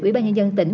ủy ban nhân dân tỉnh